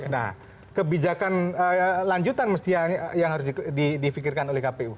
nah kebijakan lanjutan mestinya yang harus difikirkan oleh kpu